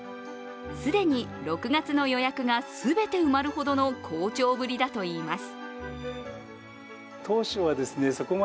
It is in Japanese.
既に６月の予約が全て埋まるほどの好調ぶりだといいます。